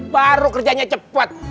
baru kerjanya cepet